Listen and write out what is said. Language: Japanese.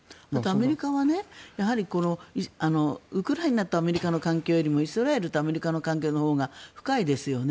アメリカはウクライナとアメリカの関係よりイスラエルとアメリカの関係のほうが深いですよね。